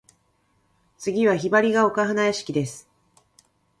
次は雲雀丘花屋敷（ひばりがおかはなやしき）です。